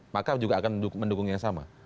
maka juga akan mendukung yang sama